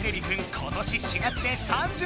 今年４月で３０周年！